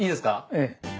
ええ。